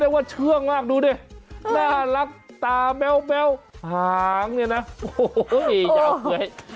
ว่าเชื่องมากดูดิน่ารักตาแมวหางเนี่ยนะโอ้โหยาวเหย